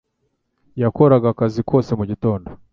Yakoraga akazi kose mugitondo